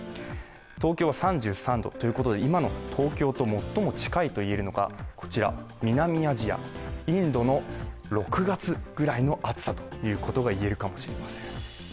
東京は３３度ということで、今の東京と最も近いといえるのがこちら南アジア、インドの６月くらいの暑さということが言えるかもしれません。